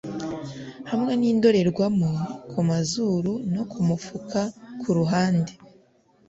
hamwe nindorerwamo kumazuru no kumufuka kuruhande;